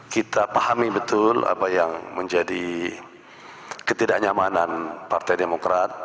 kita pahami betul apa yang menjadi ketidaknyamanan partai demokrat